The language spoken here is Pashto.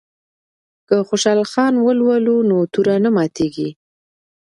که خوشحال خان ولولو نو توره نه ماتیږي.